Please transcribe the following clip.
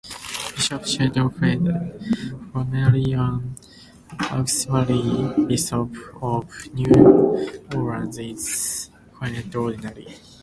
Bishop Shelton Fabre, formerly an auxiliary bishop of New Orleans, is the current ordinary.